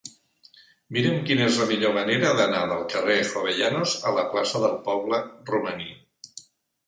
Mira'm quina és la millor manera d'anar del carrer de Jovellanos a la plaça del Poble Romaní.